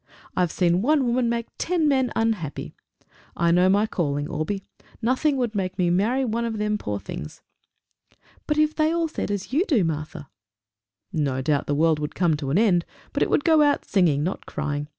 I've seen one woman make ten men unhappy! I know my calling, Orbie. Nothing would make me marry one of them, poor things!" "But if they all said as you do, Martha?" "No doubt the world would come to an end, but it would go out singing, not crying.